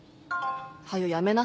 「はよ辞めな。